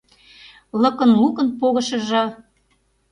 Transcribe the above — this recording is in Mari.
Лыкын-лукын погышыжо